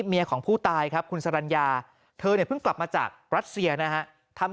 เมียของผู้ตายครับคุณสรรญาเธอเนี่ยเพิ่งกลับมาจากรัสเซียนะฮะ